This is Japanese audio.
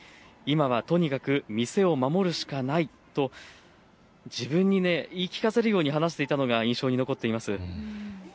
今はとにかく店を守るしかないと自分に言い聞かせるように話していたのが印象に残っています。